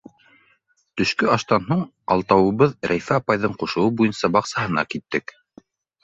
Төшкө аштан һуң алтауыбыҙ Рәйфә апайҙың ҡушыуы буйынса баҡсаһына киттек.